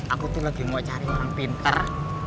aku itu sedang memkan nak pilter